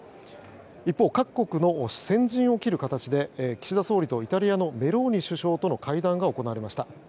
一方、各国の先陣を切る形で岸田総理とイタリアのメローニ首相との会談が行われました。